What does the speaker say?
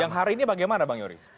yang hari ini bagaimana bang yori